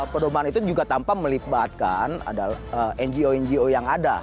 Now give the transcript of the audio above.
perlumbaan itu juga tampak melibatkan ngo